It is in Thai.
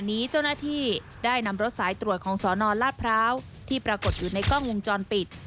นี้เจ้าหน้าที่ได้นำรถสายตรวจของสอนอนลาดพร้าวที่ปรากฏอยู่ในกล้องวงจรปิด